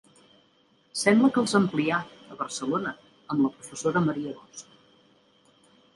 Sembla que els amplià, a Barcelona, amb la professora Maria Bosch.